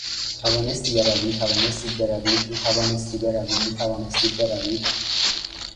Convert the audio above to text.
توانستی بروی؟ توانستید بروید؟ میتوانستی بروی؟ میتوانستید بروید؟